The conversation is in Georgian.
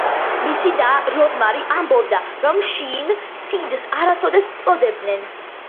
მისი და როზმარი ამბობდა, რომ შინ სიდს არასოდეს უწოდებდნენ.